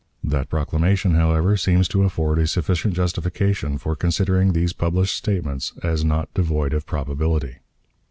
That proclamation, however, seems to afford a sufficient justification for considering these published statements as not devoid of probability.